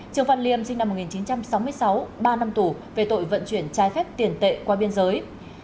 trường văn liêm sinh năm một nghìn chín trăm sáu mươi sáu ba năm tù về tội vận chuyển trái phép tiền tệ qua biên giới